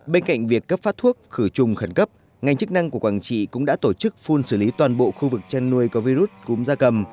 bên cạnh việc cấp phát thuốc khử trùng khẩn cấp ngành chức năng của quảng trị cũng đã tổ chức phun xử lý toàn bộ khu vực chăn nuôi có virus cúm da cầm